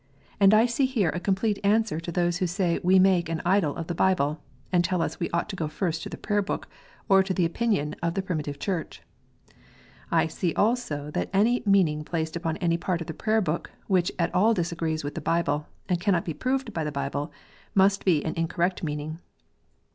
And I see here a complete answer to those who say we make an idol of the Bible, and tell us we ought to go first to the Prayer book, or to the opinion of the primitive Church ! I see also that any meaning placed upon any part of the Prayer book which at all disagrees with the Bible, and cannot be proved by the Bible, must be an incorrect meaning.